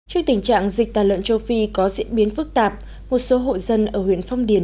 trước tình trạng dịch tàn lợn châu phi có diễn biến phức tạp một số hộ dân ở huyện phong điền